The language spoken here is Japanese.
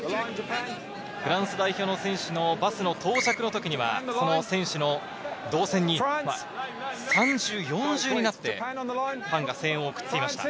フランス代表の選手のバスの到着の時には、選手の動線に３重４重になって、ファンが声援を送っていました。